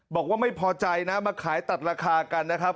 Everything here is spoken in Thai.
บอกว่าไม่พอใจนะมาขายตัดราคากันนะครับ